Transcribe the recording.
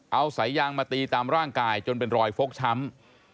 เอาสายยางมาตีตามร่างกายจนเป็นรอยฟกช้ำ